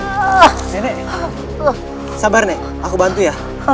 nenek sabar aku bantu ya